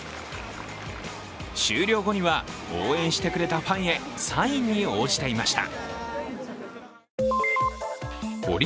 終了後には応援してくれたファンへサインに応じていました。